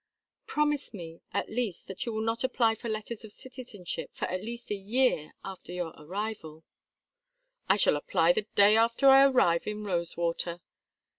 Promise me at least that you will not apply for letters of citizenship for at least a year after your arrival " "I shall apply the day after I arrive in Rosewater."